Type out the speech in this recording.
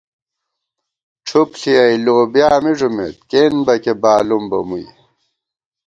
ڄُھپ ݪِیَئ لوبیا می ݫُمېت، کېنبَکے بالُوم بہ مُوئی